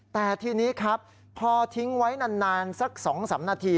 แต่ทีนี้ครับพอทิ้งไว้นานสัก๒๓นาที